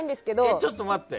ちょっと待って。